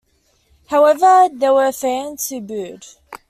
However, there were fans who booed.